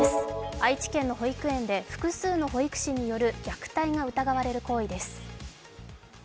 愛知県の保育園で複数の保育士による虐待が疑われる行為です。